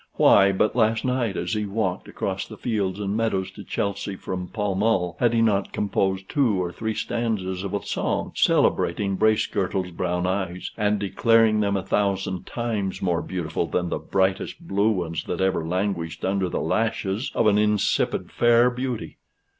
Why, but last night as he walked across the fields and meadows to Chelsey from Pall Mall, had he not composed two or three stanzas of a song, celebrating Bracegirdle's brown eyes, and declaring them a thousand times more beautiful than the brightest blue ones that ever languished under the lashes of an insipid fair beauty!